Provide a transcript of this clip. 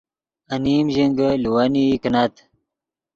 انیم ژینگے لیوینئی کینت